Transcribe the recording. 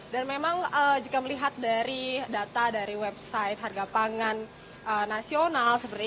dan memang jika melihat dari data dari website harga pangan nasional seperti itu